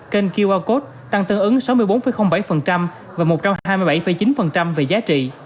kênh qr code tăng tương ứng sáu mươi bốn bảy và một trăm hai mươi bảy chín về giá trị